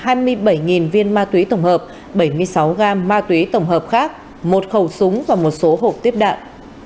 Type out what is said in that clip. thu giữ gần hai mươi bảy viên ma túy tổng hợp bảy mươi sáu gam ma túy tổng hợp khác một khẩu súng và một số hộp tiếp đạn